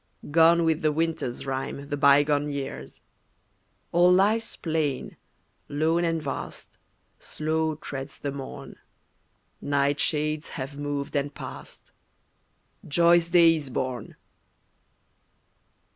Gone with the winter's rime, The bygone years. O'er life's plain, lone and vast, Slow treads the morn, Night shades have moved and passed, Joy's day is born.